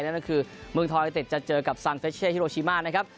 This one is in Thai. นั่นก็คือเมืองทอยเต็ดจะเจอกับซานเฟชเช่ฮิโรชิมานะครับ